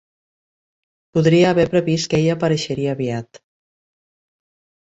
Podria haver previst que ella apareixeria aviat.